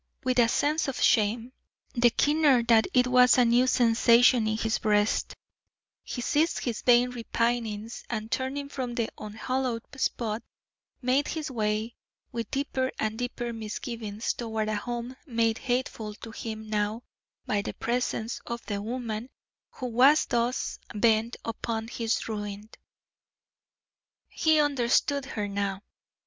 With a sense of shame, the keener that it was a new sensation in his breast, he ceased his vain repinings, and turning from the unhallowed spot, made his way with deeper and deeper misgivings toward a home made hateful to him now by the presence of the woman who was thus bent upon his ruin. He understood her now.